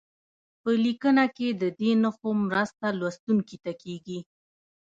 په لیکنه کې د دې نښو مرسته لوستونکي ته کیږي.